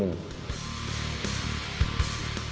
sampai jumpa di jepang